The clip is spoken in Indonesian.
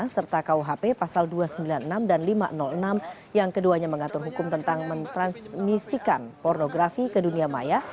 serta kuhp pasal dua ratus sembilan puluh enam dan lima ratus enam yang keduanya mengatur hukum tentang mentransmisikan pornografi ke dunia maya